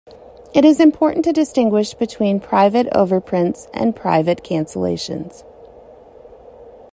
It is important to distinguish between private overprints and private cancellations.